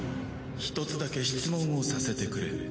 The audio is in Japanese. １つだけ質問をさせてくれ。